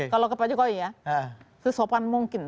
kalau ke pak jokowi ya sesopan mungkin